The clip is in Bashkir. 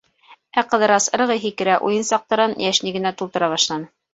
Ә Ҡыҙырас ырғый-һикерә уйынсыҡтарын йәшнигенә тултыра башланы.